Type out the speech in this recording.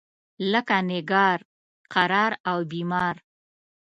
لکه نګار، قرار او بیمار.